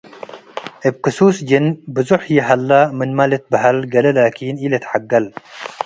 እብ ክሱስ ጅን ብዞሕ ይሀለ ምንመ ልትበሀል ገሌ ላኪን ኢልትሐገል።